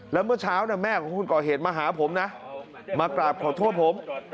แล้วเมื่อเช้าแม่ของคุณก่อเหตุมาหาผมนะมากราบขอโทษผม